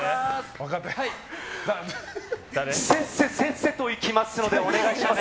せっせせっせといきますのでお願いします。